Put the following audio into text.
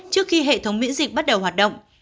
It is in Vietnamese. trước khi hệ thống miễn dịch bắt đầu hoạt động